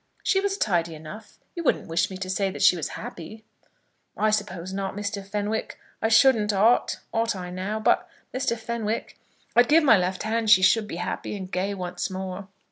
"She was tidy enough. You wouldn't wish me to say that she was happy?" "I suppose not, Mr. Fenwick. I shouldn't ought; ought I, now? But, Mr. Fenwick, I'd give my left hand she should be happy and gay once more.